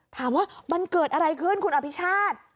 ถามว่ามันเกิดอะไรขึ้นคุณอภิชาติ